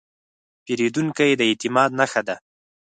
پیرودونکی د اعتماد نښه ده.